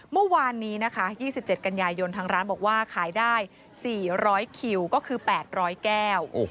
เมื่อวานนี้นะคะ๒๗กันยายนทางร้านบอกว่าขายได้๔๐๐คิวก็คือ๘๐๐แก้ว